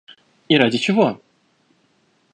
И ради чего?